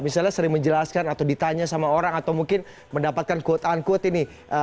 misalnya sering menjelaskan atau ditanya sama orang atau mungkin mendapatkan quote unquote ini